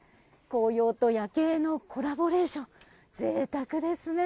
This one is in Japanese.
紅葉と夜景のコラボレーション贅沢ですね。